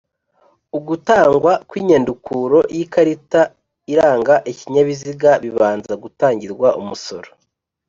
Ugutangwa kw'inyandukuro y'ikarita iranga ikinyabiziga bibanza gutangirwa umusoro